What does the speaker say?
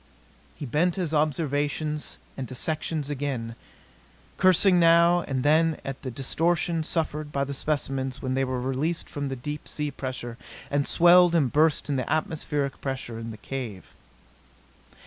He bent to his observations and dissections again, cursing now and then at the distortion suffered by the specimens when they were released from the deep sea pressure and swelled and burst in the atmospheric pressure in the cave.